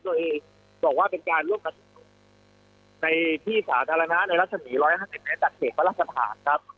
โดยปรบอกว่าเป็นการร่วมกับศึกษุในพี่สาธารณะรัฐฉันี๑๕๐นาทีในจัดเกตภัรรษภาษณ์ครับ